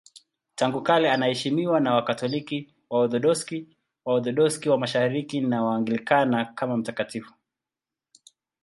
Tangu kale anaheshimiwa na Wakatoliki, Waorthodoksi, Waorthodoksi wa Mashariki na Waanglikana kama mtakatifu.